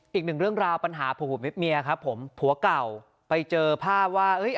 อีกหนึ่งเรื่องราวปัญหาผัวเมียครับผมผัวเก่าไปเจอภาพว่าเอ้ย